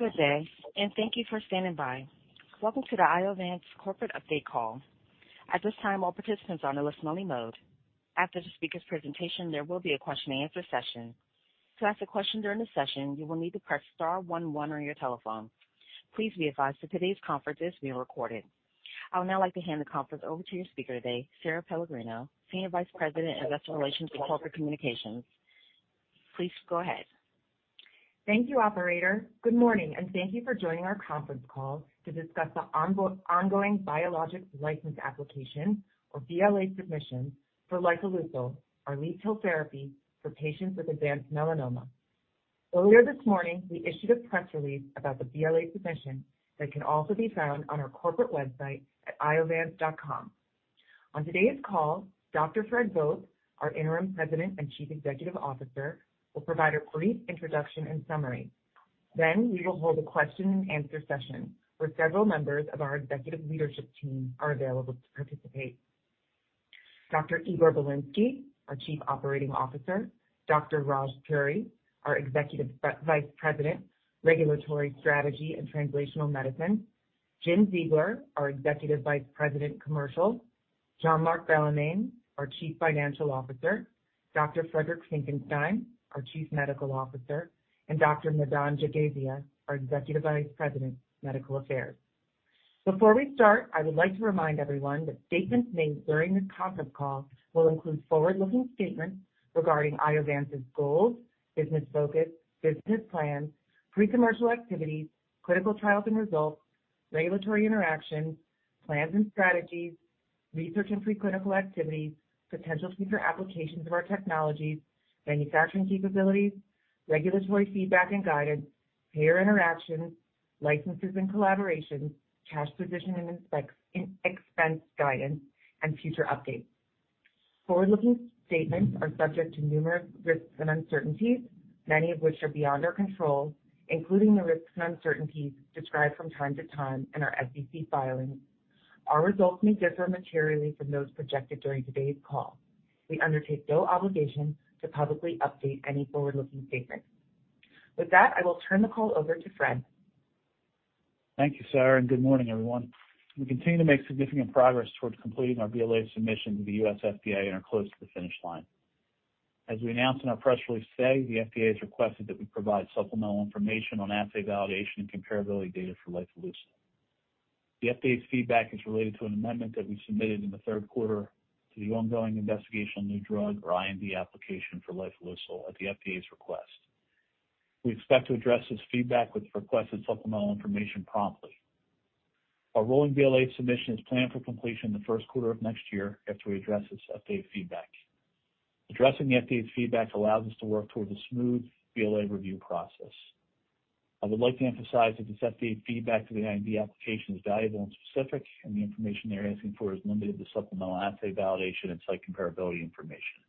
Good day. Thank you for standing by. Welcome to the Iovance Corporate Update Call. At this time, all participants are on a listen-only mode. After the speaker's presentation, there will be a question-and-answer session. To ask a question during the session, you will need to press star one one on your telephone. Please be advised that today's conference is being recorded. I would now like to hand the conference over to your speaker today, Sara Pellegrino, Senior Vice President of Investor Relations and Corporate Communications. Please go ahead. Thank you, Operator. Good morning, and thank you for joining our conference call to discuss the ongoing Biologic License Application or BLA submission for lifileucel, our lead cell therapy for patients with advanced melanoma. Earlier this morning, we issued a press release about the BLA submission that can also be found on our corporate website at iovance.com. On today's call, Dr. Frederick Vogt, our Interim President and Chief Executive Officer, will provide a brief introduction and summary. We will hold a question-and-answer session where several members of our executive leadership team are available to participate, Dr. Igor Bilinsky, our Chief Operating Officer, Dr. Raj K. Puri, our Executive Vice President, Regulatory Strategy and Translational Medicine, Jim Ziegler, our Executive Vice President, Commercial, Jean-Marc Bellemin, our Chief Financial Officer, Dr. Friedrich Graf Finckenstein, our Chief Medical Officer, and Dr. Madan Jagasia, our Executive Vice President, Medical Affairs. Before we start, I would like to remind everyone that statements made during this conference call will include forward-looking statements regarding Iovance's goals, business focus, business plans, pre-commercial activities, clinical trials and results, regulatory interactions, plans and strategies, research and pre-clinical activities, potential future applications of our technologies, manufacturing capabilities, regulatory feedback and guidance, payer interactions, licenses and collaborations, cash position and expense guidance, and future updates. Forward-looking statements are subject to numerous risks and uncertainties, many of which are beyond our control, including the risks and uncertainties described from time to time in our SEC filings. Our results may differ materially from those projected during today's call. We undertake no obligation to publicly update any forward-looking statement. With that, I will turn the call over to Fred. Thank you, Sara, and good morning, everyone. We continue to make significant progress towards completing our BLA submission to the U.S. FDA and are close to the finish line. As we announced in our press release today, the FDA has requested that we provide supplemental information on assay validation and comparability data for lifileucel. The FDA's feedback is related to an amendment that we submitted in the Q3 to the ongoing Investigational New Drug, or IND application for lifileucel at the FDA's request. We expect to address this feedback with requested supplemental information promptly. Our rolling BLA submission is planned for completion in the Q1 of next year after we address this updated feedback. Addressing the FDA's feedback allows us to work towards a smooth BLA review process. I would like to emphasize that this updated feedback to the IND application is valuable and specific, and the information they're asking for is limited to supplemental assay validation and site comparability information.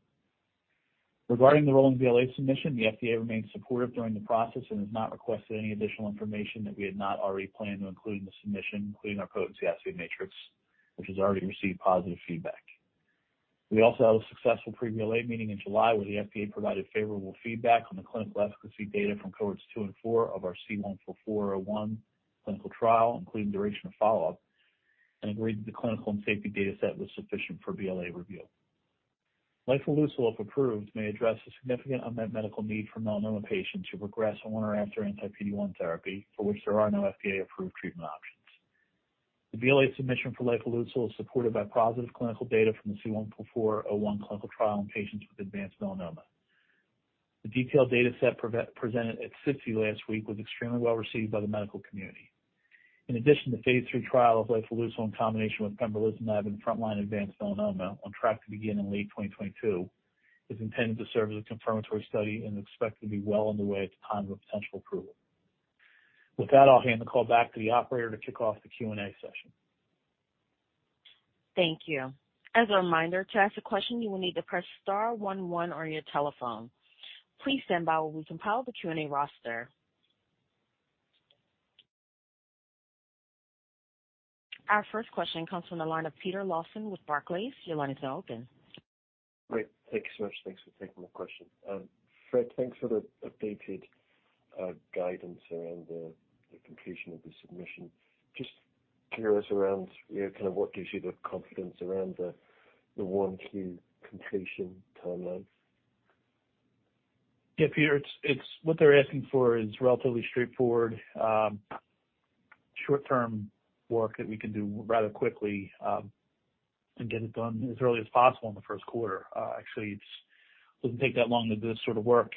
Regarding the rolling BLA submission, the FDA remains supportive during the process and has not requested any additional information that we had not already planned to include in the submission, including our potency assay matrix, which has already received positive feedback. We also had a successful pre-BLA meeting in July, where the FDA provided favorable feedback on the clinical efficacy data from Cohorts 2 and 4 of our C-144-01 clinical trial, including duration of follow-up, and agreed that the clinical and safety data set was sufficient for BLA review. Lifileucel, if approved, may address a significant unmet medical need for melanoma patients who progress on or after anti-PD-1 therapy, for which there are no FDA-approved treatment options. The BLA submission for lifileucel is supported by positive clinical data from the C-144-01 clinical trial in patients with advanced melanoma. The detailed data set presented at SITC last week was extremely well received by the medical community. In addition, the phase three trial of lifileucel in combination with pembrolizumab in front-line advanced melanoma, on track to begin in late 2022, is intended to serve as a confirmatory study and is expected to be well underway at the time of a potential approval. With that, I'll hand the call back to the operator to kick off the Q&A session. Thank you. As a reminder, to ask a question, you will need to press star one one on your telephone. Please stand by while we compile the Q&A roster. Our first question comes from the line of Peter Lawson with Barclays. Your line is now open. Great. Thank you so much. Thanks for taking my question. Fred, thanks for the updated guidance around the completion of the submission. Just carry us around, you know, kind of what gives you the confidence around the 1Q completion timeline? Yeah, Peter. What they're asking for is relatively straightforward, short-term work that we can do rather quickly and get it done as early as possible in the Q1. Actually, doesn't take that long to do this sort of work.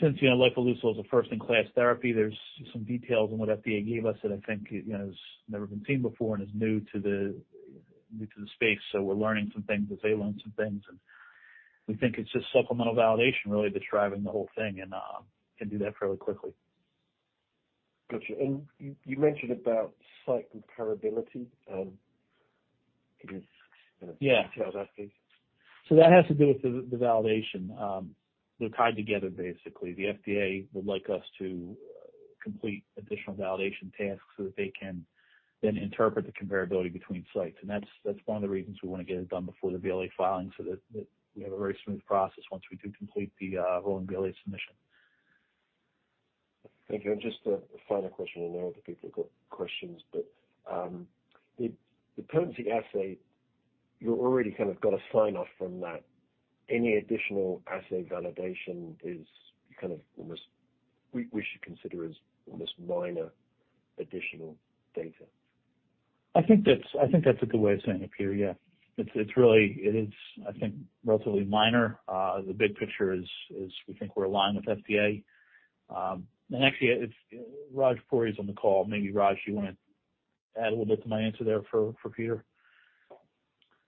Since, you know, lifileucel is a first-in-class therapy, there's some details on what FDA gave us that I think, you know, has never been seen before and is new to the space. We're learning some things as they learn some things, and we think it's just supplemental validation really that's driving the whole thing and can do that fairly quickly. Got you. You mentioned about site comparability. Yeah. Tell us please. That has to do with the validation. They're tied together, basically. The FDA would like us to complete additional validation tasks so that they can then interpret the comparability between sites. That's one of the reasons we wanna get it done before the BLA filing so that we have a very smooth process once we do complete the rolling BLA submission. Thank you. Just a final question, and I know other people have got questions, but the potency assay, you already kind of got a sign-off from that. Any additional assay validation we should consider as almost minor additional data. I think that's a good way of saying it, Peter, yeah. It is, I think, relatively minor. The big picture is we think we're aligned with FDA. Actually, Raj Puri's on the call. Maybe Raj, you wanna add a little bit to my answer there for Peter?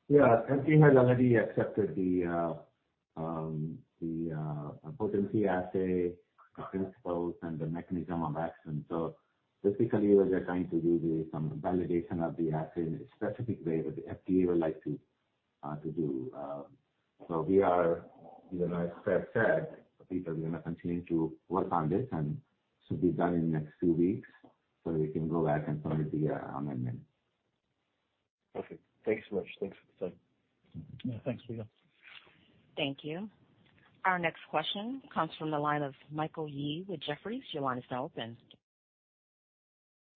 Yeah. FDA has already accepted the potency assay, the principles, and the mechanism of action. Basically we're just trying to do some validation of the assay in a specific way that the FDA would like to do. We are, you know, as Seth said, Peter, we're gonna continue to work on this, and should be done in the next two weeks, so we can go back and submit the amendment. Perfect. Thanks so much. Thanks for the time. Yeah, thanks, Peter. Thank you. Our next question comes from the line of Michael Yee with Jefferies. Your line is now open.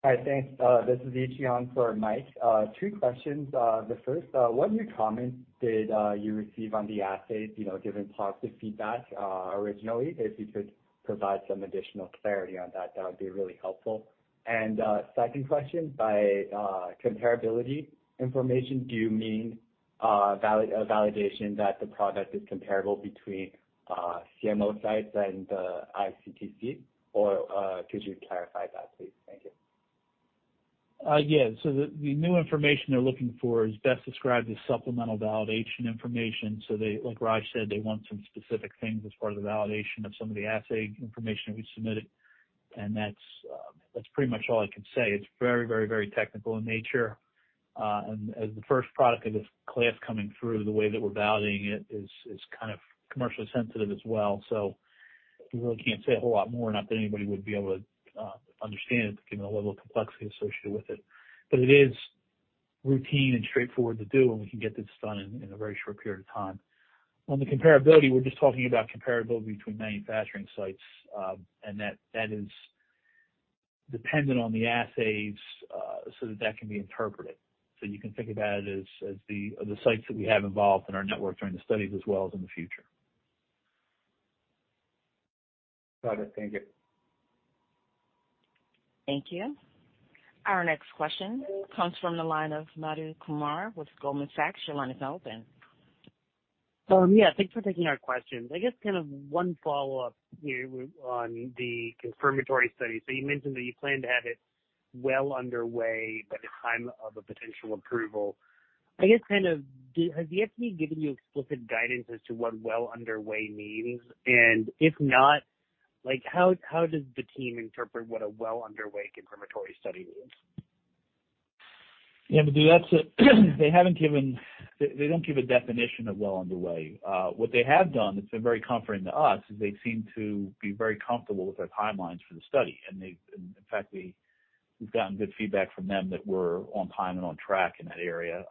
Hi. Thanks. This is Yige Guo on for Michael Yee. Two questions. The first, what new comments did you receive on the assays? You know, given positive feedback originally, if you could provide some additional clarity on that would be really helpful. Second question, by comparability information, do you mean a validation that the product is comparable between CMO sites and iCTC? Could you clarify that, please? Thank you. Yeah. The new information they're looking for is best described as supplemental validation information. They, like Raj said, they want some specific things as part of the validation of some of the assay information we submitted, and that's pretty much all I can say. It's very technical in nature. As the first product of this class coming through, the way that we're validating it is kind of commercially sensitive as well. We really can't say a whole lot more, not that anybody would be able to understand it, given the level of complexity associated with it. It is routine and straightforward to do, and we can get this done in a very short period of time. On the comparability, we're just talking about comparability between manufacturing sites, and that is dependent on the assays, so that can be interpreted. You can think about it as the sites that we have involved in our network during the studies, as well as in the future. Got it. Thank you. Thank you. Our next question comes from the line of Madhu Kumar with Goldman Sachs. Your line is now open. Yeah, thanks for taking our questions. I guess kind of one follow-up here on the confirmatory study. You mentioned that you plan to have it well underway by the time of a potential approval. I guess kind of has the FDA given you explicit guidance as to what well underway means? If not, like, how does the team interpret what a well underway confirmatory study means? Yeah, Madhu, they don't give a definition of well underway. What they have done that's been very comforting to us is they seem to be very comfortable with our timelines for the study. In fact, we've gotten good feedback from them that we're on time and on track in that area.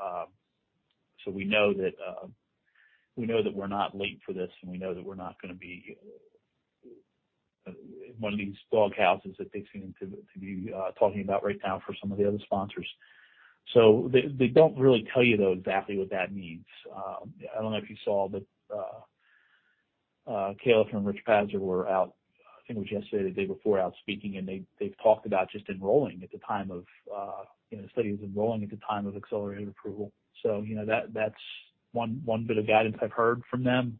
We know that we're not late for this, and we know that we're not gonna be one of these dog houses that they seem to be talking about right now for some of the other sponsors. They don't really tell you, though, exactly what that means. I don't know if you saw, but Kala from Richard Pazdur were out, I think it was yesterday, the day before, out speaking, and they've talked about just enrolling at the time of, you know, the study was enrolling at the time of accelerated approval. You know, that's one bit of guidance I've heard from them.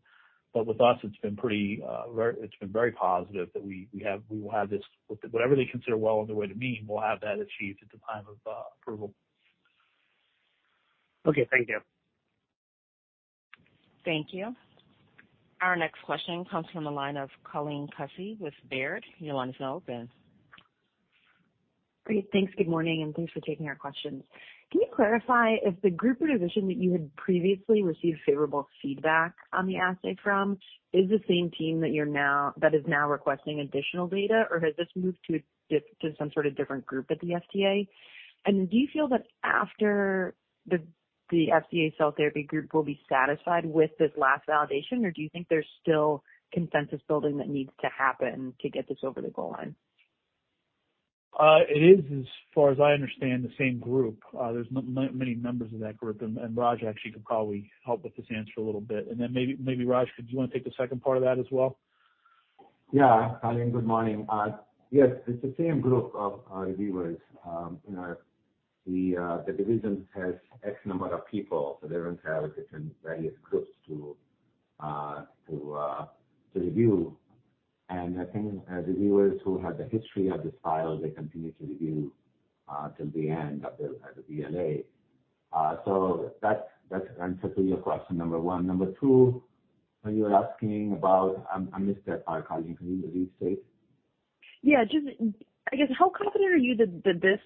With us, it's been very positive that we will have this with whatever they consider well underway to mean, we'll have that achieved at the time of approval. Okay, thank you. Thank you. Our next question comes from the line of Colleen Kusy with Baird. Your line is now open. Great. Thanks. Good morning, and thanks for taking our questions. Can you clarify if the group or division that you had previously received favorable feedback on the assay from is the same team that is now requesting additional data, or has this moved to some sort of different group at the FDA? Do you feel that the FDA cell therapy group will be satisfied with this last validation, or do you think there's still consensus building that needs to happen to get this over the goal line? It is, as far as I understand, the same group. There's many members of that group, and Raj actually could probably help with this answer a little bit. Maybe, Raj, did you wanna take the second part of that as well? Yeah. Colleen, good morning. Yes, it's the same group of reviewers. You know, the division has X number of people, so they don't have different various groups to review. I think as reviewers who have the history of this file, they continue to review till the end of the BLA. That's the answer to your question number one. Number two, when you were asking about. I missed that part, Colleen. Could you please state? Yeah, just I guess, how confident are you that this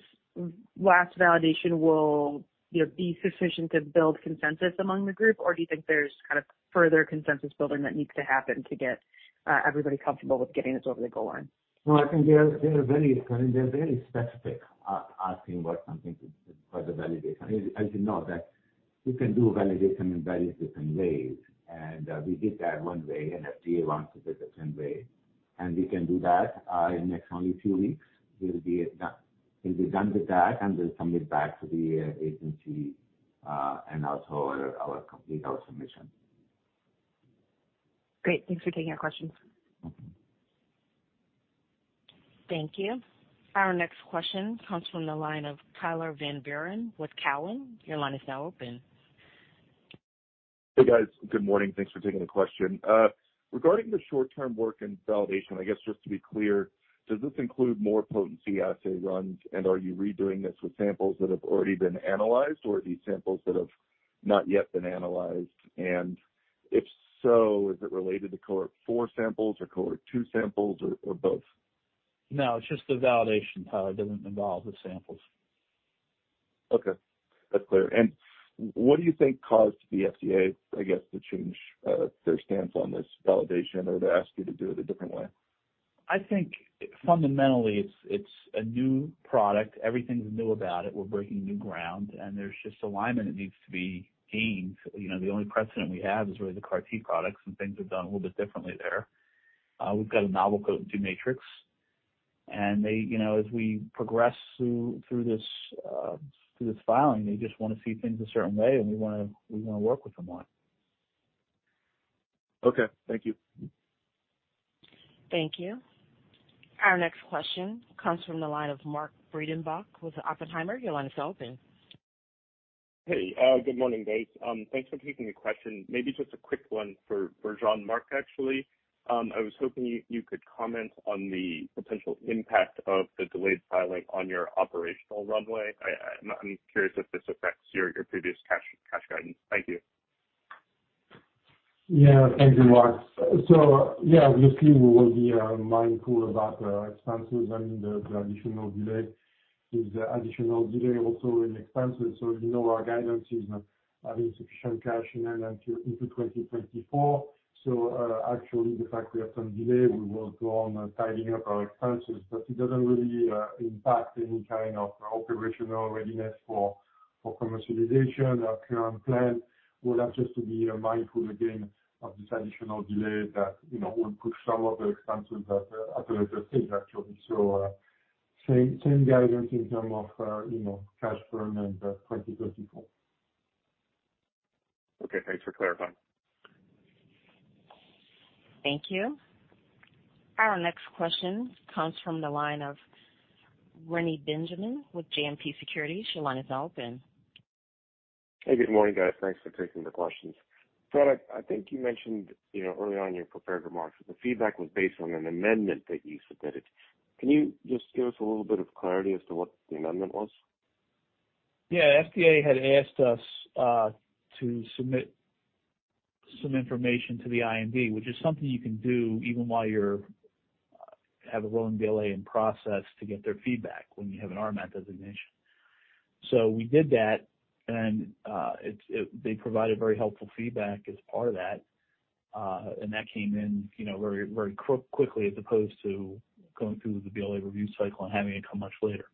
last validation will, you know, be sufficient to build consensus among the group? Do you think there's kind of further consensus building that needs to happen to get everybody comfortable with getting this over the goal line? No, I think they are very kind. They're very specific asking what something for the validation. As you know, that we can do validation in various different ways. We did that one way, and FDA wants it a different way. We can do that in the next only few weeks. We'll be done with that, and we'll send it back to the agency and also complete our submission. Great. Thanks for taking our questions. Thank you. Our next question comes from the line of Tyler Van Buren with Cowen. Your line is now open. Hey, guys. Good morning. Thanks for taking the question. Regarding the short-term work and validation, I guess, just to be clear, does this include more potency assay runs? Are you redoing this with samples that have already been analyzed, or are these samples that have not yet been analyzed? If so, is it related to Cohort 4 samples or Cohort 2 samples or both? No, it's just the validation, Tyler. It doesn't involve the samples. Okay, that's clear. What do you think caused the FDA, I guess, to change their stance on this validation or to ask you to do it a different way? I think fundamentally it's a new product. Everything's new about it. We're breaking new ground, and there's just alignment that needs to be gained. You know, the only precedent we have is really the CAR-T products, and things are done a little bit differently there. We've got a novel potency assay matrix. They, you know, as we progress through this filing, they just wanna see things a certain way, and we wanna work with them on it. Okay, thank you. Thank you. Our next question comes from the line of Mark Breidenbach with Oppenheimer. Your line is open. Hey, good morning, guys. Thanks for taking the question. Maybe just a quick one for Jean-Marc, actually. I was hoping you could comment on the potential impact of the delayed filing on your operational runway. I'm curious if this affects your previous cash guidance. Thank you. Yeah, thank you, Mark. Yeah, obviously we will be mindful about expenses and the additional delay. With the additional delay also in expenses. You know, our guidance is having sufficient cash in it into 2024. Actually the fact we have some delay, we work on tidying up our expenses, but it doesn't really impact any kind of operational readiness for commercialization. Our current plan will have just to be mindful again of this additional delay that, you know, will push some of the expenses at a later stage, actually. Same guidance in term of, you know, cash burn into 2024. Okay, thanks for clarifying. Thank you. Our next question comes from the line of Reni Benjamin with JMP Securities. Your line is open. Hey, good morning, guys. Thanks for taking the questions. Fred, I think you mentioned, you know, early on in your prepared remarks that the feedback was based on an amendment that you submitted. Can you just give us a little bit of clarity as to what the amendment was? Yeah. FDA had asked us to submit some information to the IND, which is something you can do even while you have a rolling BLA in process to get their feedback when you have an RMAT designation. We did that, and they provided very helpful feedback as part of that. That came in, you know, very quickly as opposed to going through the BLA review cycle and having it come much later.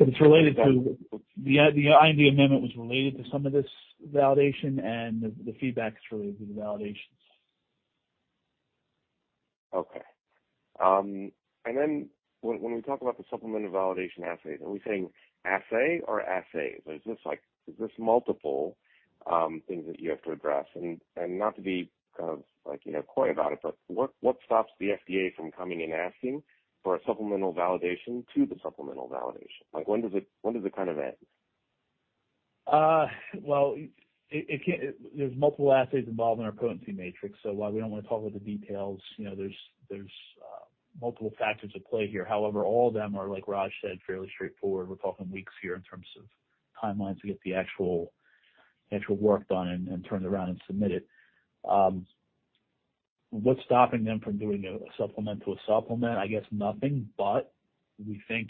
It's related to. Okay. The IND amendment was related to some of this validation and the feedback is related to the validations. Okay. When we talk about the supplemental validation assays, are we saying assay or assays? Is this like multiple things that you have to address? Not to be kind of like, you know, coy about it, but what stops the FDA from coming and asking for a supplemental validation to the supplemental validation? Like when does it kind of end? Well, there's multiple assays involved in our potency matrix. While we don't wanna talk about the details, you know, there's multiple factors at play here. However, all of them are, like Raj said, fairly straightforward. We're talking weeks here in terms of timelines to get the actual work done and turned around and submitted. What's stopping them from doing a supplement to a supplement? I guess nothing. We think,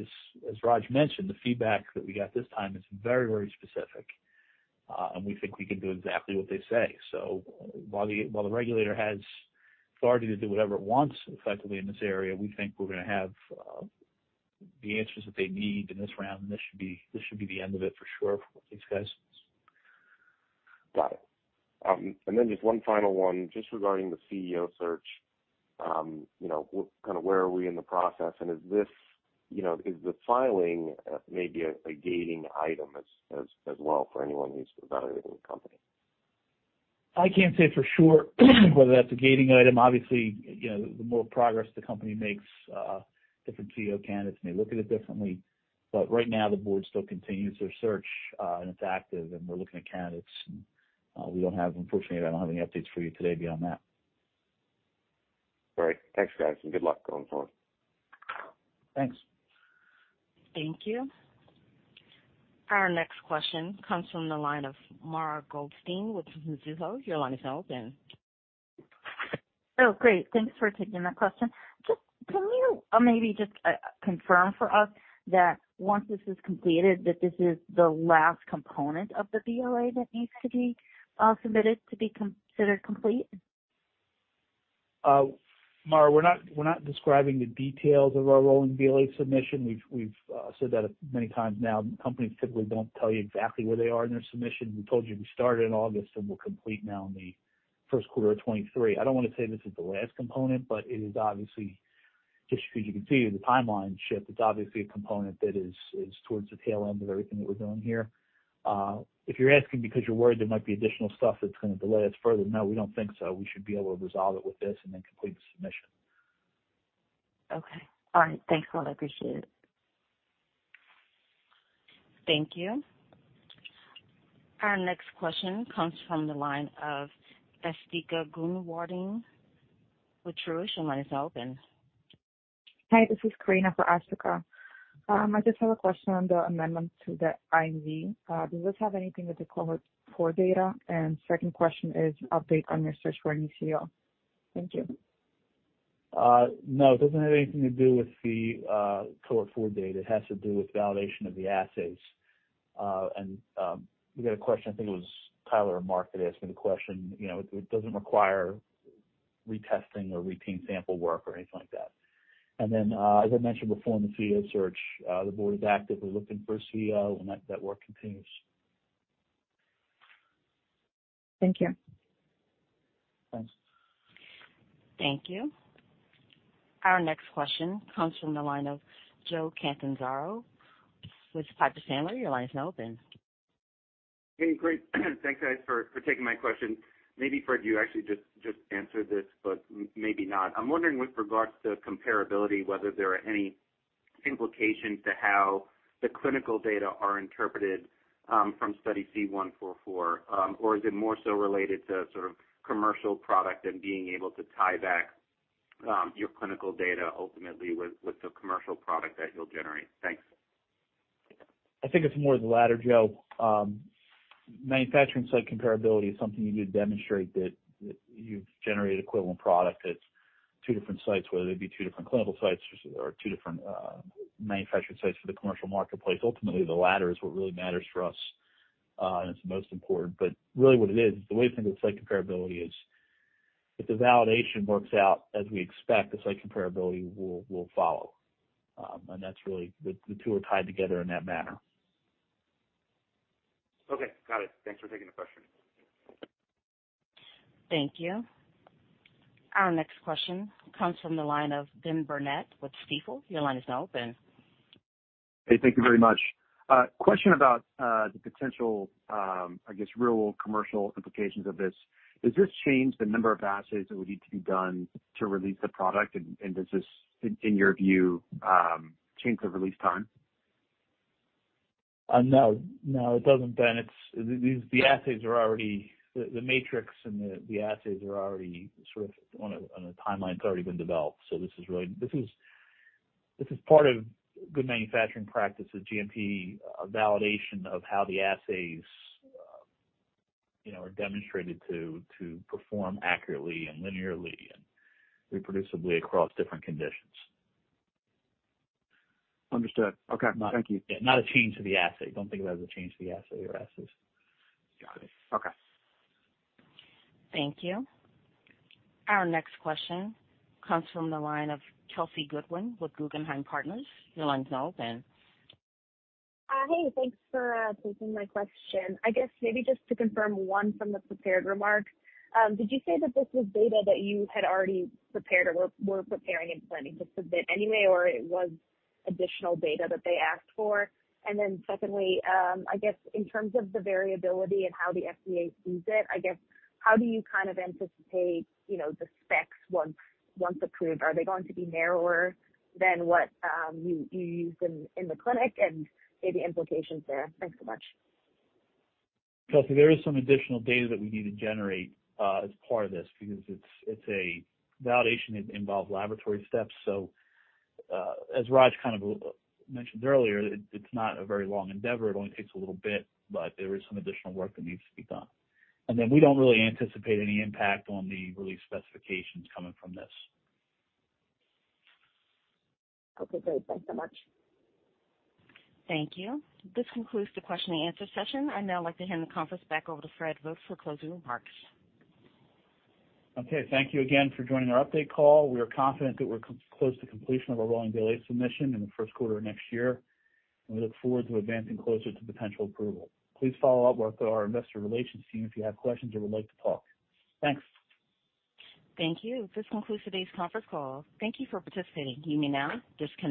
as Raj mentioned, the feedback that we got this time is very, very specific, and we think we can do exactly what they say. While the regulator has authority to do whatever it wants effectively in this area, we think we're gonna have the answers that they need in this round, and this should be the end of it for sure for these guys. Got it. Just one final one, just regarding the CEO search. You know, kind of where are we in the process? You know, is the filing maybe a gating item as well for anyone who's evaluating the company? I can't say for sure whether that's a gating item. Obviously, you know, the more progress the company makes, different CEO candidates may look at it differently. Right now, the board still continues their search, and it's active, and we're looking at candidates, and unfortunately, I don't have any updates for you today beyond that. All right. Thanks, guys, and good luck going forward. Thanks. Thank you. Our next question comes from the line of Mara Goldstein with Mizuho. Your line is open. Oh, great. Thanks for taking that question. Just can you maybe just confirm for us that once this is completed, that this is the last component of the BLA that needs to be submitted to be considered complete? Mara, we're not describing the details of our rolling BLA submission. We've said that many times now. Companies typically don't tell you exactly where they are in their submission. We told you we started in August, and we'll complete now in the Q1 of 2023. I don't wanna say this is the last component, but it is obviously, just because you can see the timeline shift, it's obviously a component that is towards the tail end of everything that we're doing here. If you're asking because you're worried there might be additional stuff that's gonna delay us further, no, we don't think so. We should be able to resolve it with this and then complete the submission. Okay. All right. Thanks a lot. I appreciate it. Thank you. Our next question comes from the line of Asthika Goonewardene with Truist. Your line is open. Hi, this is Karina for Asthika. I just have a question on the amendment to the IND. Does this have anything with the Cohort 4 data? Second question is update on your search for a CEO. Thank you. No, it doesn't have anything to do with the Cohort 4 data. It has to do with validation of the assays. We got a question, I think it was Tyler or Mark that asked me the question. You know, it doesn't require retesting or repeating sample work or anything like that. As I mentioned before in the CEO search, the board is actively looking for a CEO, and that work continues. Thank you. Thanks. Thank you. Our next question comes from the line of Joseph Catanzaro with Piper Sandler. Your line is now open. Hey, great. Thanks, guys, for taking my question. Maybe, Fred, you actually just answered this, but maybe not. I'm wondering with regards to comparability, whether there are any implications to how the clinical data are interpreted from study C-144, or is it more so related to sort of commercial product and being able to tie back your clinical data ultimately with the commercial product that you'll generate? Thanks. I think it's more the latter, Joe. Manufacturing site comparability is something you need to demonstrate that you've generated equivalent product at two different sites, whether they be two different clinical sites or two different manufacturing sites for the commercial marketplace. Ultimately, the latter is what really matters for us, and it's the most important. Really what it is, the way to think of the site comparability is if the validation works out as we expect, the site comparability will follow. The two are tied together in that manner. Okay. Got it. Thanks for taking the question. Thank you. Our next question comes from the line of Benjamin Burnett with Stifel. Your line is now open. Hey, thank you very much. Question about the potential, I guess, real commercial implications of this. Does this change the number of assays that would need to be done to release the product? Does this, in your view, change the release time? No, it doesn't, Ben. The matrix and the assays are already sort of on a timeline. It's already been developed. This is really, this is part of good manufacturing practice with GMP, a validation of how the assays, you know, are demonstrated to perform accurately and linearly and reproducibly across different conditions. Understood. Okay. Thank you. Not a change to the assay. Don't think of that as a change to the assay or assays. Got it. Okay. Thank you. Our next question comes from the line of Kelsey Goodwin with Guggenheim Partners. Your line's now open. Hey, thanks for taking my question. I guess maybe just to confirm one from the prepared remarks, did you say that this was data that you had already prepared or were preparing and planning to submit anyway, or it was additional data that they asked for? Secondly, I guess in terms of the variability and how the FDA sees it, I guess how do you kind of anticipate, you know, the specs once approved? Are they going to be narrower than what you used in the clinic and maybe implications there? Thanks so much. Kelsey, there is some additional data that we need to generate as part of this because it's a validation. It involves laboratory steps. As Raj kind of mentioned earlier, it's not a very long endeavor. It only takes a little bit, but there is some additional work that needs to be done. We don't really anticipate any impact on the release specifications coming from this. Okay, great. Thanks so much. Thank you. This concludes the question and answer session. I'd now like to hand the conference back over to Frederick Vogt for closing remarks. Okay. Thank you again for joining our update call. We are confident that we're close to completion of a rolling BLA submission in the Q1 of next year, and we look forward to advancing closer to potential approval. Please follow up with our Investor Relations team if you have questions or would like to talk. Thanks. Thank you. This concludes today's conference call. Thank you for participating. You may now disconnect.